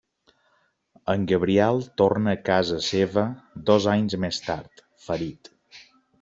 En Gabriel torna a casa seva dos anys més tard, ferit.